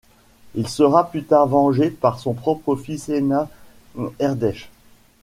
Il sera plus tard vengé par son propre fils Énna Airgdech.